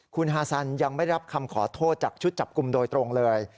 คุณฮาซันยังไม่ได้รับคำขอโทษจากชุดจับกลุ่มโดยตรงเลย